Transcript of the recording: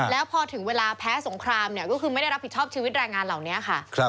แล้วพอถึงเวลาแพ้สงครามเนี่ยก็คือไม่ได้รับผิดชอบชีวิตแรงงานเหล่านี้ค่ะ